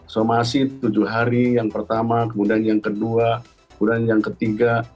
somasi tujuh hari yang pertama kemudian yang kedua kemudian yang ketiga